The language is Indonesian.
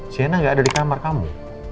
sienna gak ada di kamar kamu